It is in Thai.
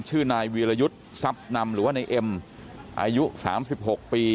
ชื่อนายวีรยุทธ์ทรัพย์นำหรือว่านายเอ็มอายุ๓๖ปี